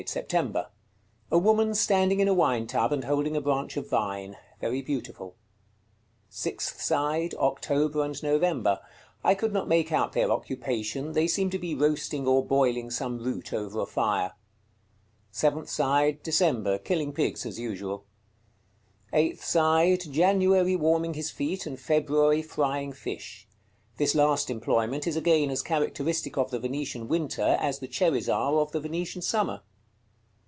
_ September. A woman standing in a wine tub, and holding a branch of vine. Very beautiful. Sixth side. October and November. I could not make out their occupation; they seem to be roasting or boiling some root over a fire. Seventh side. December. Killing pigs, as usual. Eighth side. January warming his feet, and February frying fish. This last employment is again as characteristic of the Venetian winter as the cherries are of the Venetian summer.